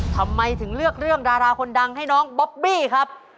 ทำไมถึงเลือกเรื่องดาราคนดังให้น้องบอบบี้ครับ